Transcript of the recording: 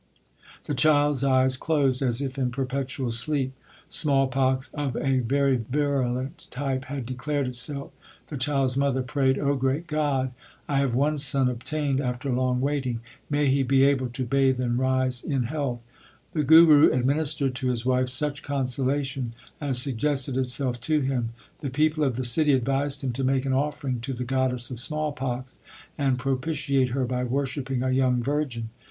The child s eyes closed as if in perpetual sleep. Small pox of a very virulent type had declared itself. The child s mother prayed, O great God, I have one son obtained after long waiting. May he be able to bathe and rise in health ! The Guru administered to his wife such consolation as suggested itself to him. The people of the city advised him to make an offering to the goddess of small pox, and propitiate her by worship ping a young virgin.